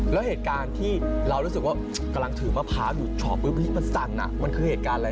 แล้วเหตุการณ์ที่เรารู้สึกว่ากำลังถือมะพร้าวอยู่ช็อปปุ๊บมันสั่นมันคือเหตุการณ์อะไร